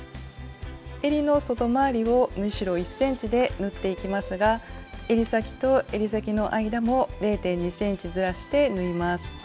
えりの外回りを縫い代１ｃｍで縫っていきますがえり先とえり先の間も０．２ｃｍずらして縫います。